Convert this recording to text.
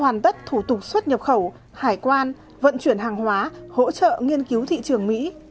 hoàn tất thủ tục xuất nhập khẩu hải quan vận chuyển hàng hóa hỗ trợ nghiên cứu thị trường mỹ